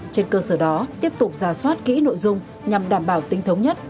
trên cơ sở đó tiếp tục ra soát kỹ nội dung nhằm đảm bảo tính thống nhất